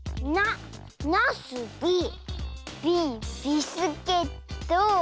ナナスビビビスケット。